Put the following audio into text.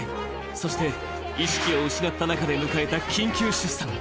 そして、意識を失った中で迎えた緊急出産。